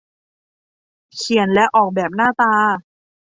เขียนและออกแบบหน้าตา